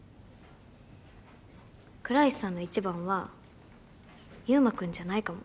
倉石さんの一番は悠真君じゃないかも。